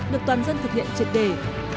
được toàn dân thực hiện trên đất